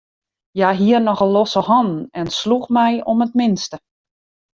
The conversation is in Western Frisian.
Hja hie nochal losse hannen en sloech my om it minste.